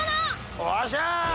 よっしゃ！